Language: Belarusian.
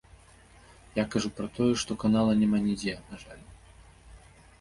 Я кажу пра тое, што канала няма нідзе, на жаль.